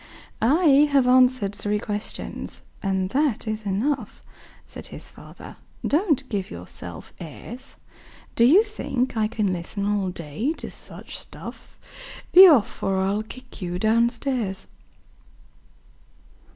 "I have answered three questions, and that is enough," Said his father. "Don't give yourself airs! Do you think I can listen all day to such stuff? Be off, or I'll kick you down stairs.